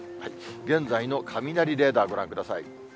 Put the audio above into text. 現在の雷レーダー、ご覧ください。